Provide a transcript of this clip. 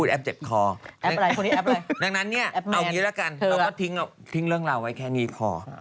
ดังนั้นเนี่ยเอานี่ดีกว่ากันแล้วก็ทิ้งเรื่องลาไว้แค่นี้คอ